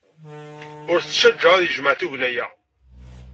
Ur t-ttajja ad yejmeɛ tugna-a.